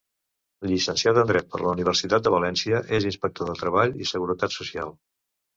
Llicenciat en dret per la Universitat de València, és inspector de treball i seguretat social.